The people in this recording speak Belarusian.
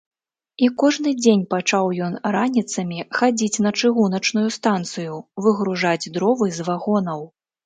І кожны дзень пачаў ён раніцамі хадзіць на чыгуначную станцыю выгружаць дровы з вагонаў.